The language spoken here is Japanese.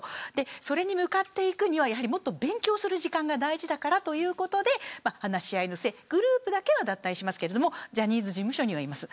それに向かっていくにはもっと勉強する時間が大事だからということで話し合いをしてグループだけは脱退するけどジャニーズ事務所にはいます。